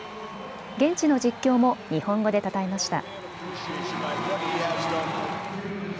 現地の実況も日本語でたたえました。